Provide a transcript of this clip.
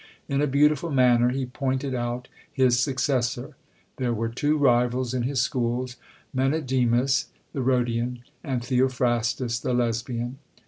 In a beautiful manner he pointed out his successor. There were two rivals in his schools: Menedemus the Rhodian, and Theophrastus the Lesbian.